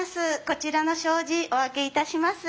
こちらの障子お開けいたします。